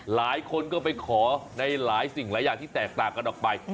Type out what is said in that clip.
หลายคนก็ไปขอในหลายสิ่งหลายอย่างที่แตกต่างกันออกไป